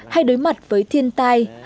hay đối mặt với thiên tai